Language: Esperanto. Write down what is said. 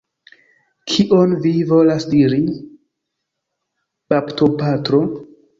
Kion vi volas diri, baptopatro?